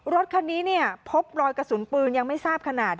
รถคันนี้พบรอยกระสุนปืนยังไม่ทราบขนาด